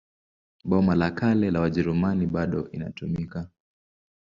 Boma la Kale la Wajerumani bado inatumika.